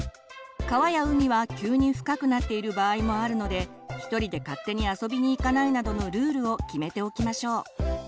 川や海は急に深くなっている場合もあるので１人で勝手に遊びに行かないなどのルールを決めておきましょう。